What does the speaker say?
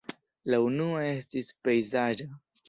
La unua estis pejzaĝa.